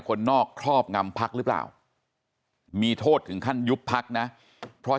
คนนอกครอบงำพักหรือเปล่ามีโทษถึงขั้นยุบพักนะเพราะ